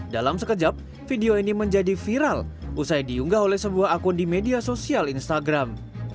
dalam sekejap video ini menjadi viral usai diunggah oleh sebuah akun di media sosial instagram